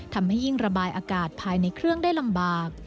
ทำให้ยิ่งระบายอากาศภายในเครื่องได้ลำบาก